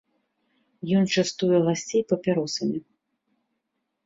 Ён частуе гасцей папяросамі.